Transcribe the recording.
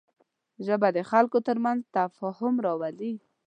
ژبه د خلکو تر منځ تفاهم راولي